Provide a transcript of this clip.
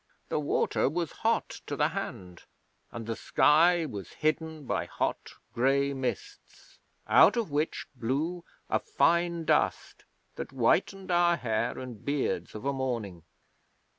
The water was hot to the hand, and the sky was hidden by hot, grey mists, out of which blew a fine dust that whitened our hair and beards of a morning.